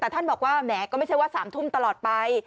แต่ท่านบอกว่าแหมก็ไม่ใช่ว่า๓ทุ่มตลอดไป